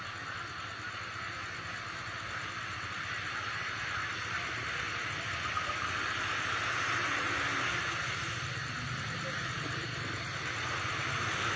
ประโยชน์ครับ